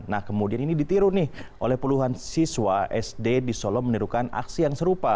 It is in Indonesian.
nah kemudian ini ditiru nih oleh puluhan siswa sd di solo menirukan aksi yang serupa